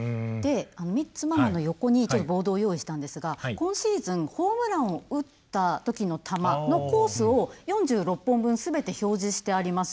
ミッツママの横にボードを用意したんですが今シーズンホームランを打ったときの球のコースを４６本分すべて表示してあります。